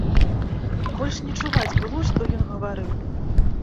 Больш не чуваць было, што ён гаварыў.